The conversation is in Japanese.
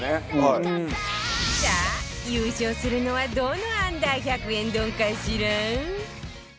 さあ優勝するのはどの Ｕ−１００ 円丼かしら？